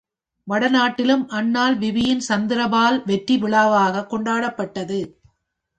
வடநாட்டிலும் அந்நாள் விபின் சந்திரபால் வெற்றி விழாவாகக் கொண்டாடப்பட்டது.